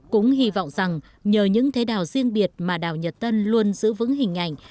cũng hy vọng rằng nhờ những thế đào riêng biệt mà đào nhật tân luôn giữ vững hình ảnh